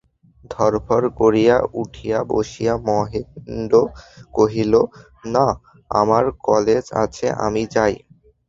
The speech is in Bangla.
ধড়ফড় করিয়া উঠিয়া বসিয়া মহেন্দ্র কহিল, নাঃ আমার কালেজ আছে, আমি যাই।